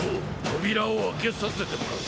扉を開けさせてもらう。